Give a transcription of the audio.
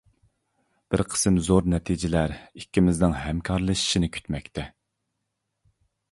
بىر قىسىم زور نەتىجىلەر ئىككىمىزنىڭ ھەمكارلىشىشىنى كۈتمەكتە.